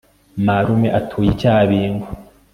marume atuye i cyabingo